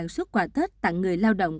hai mươi suất quà tết tặng người lao động